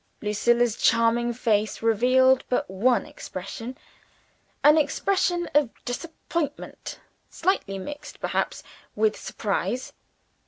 Lucilla's charming face revealed but one expression an expression of disappointment, slightly mixed perhaps with surprise.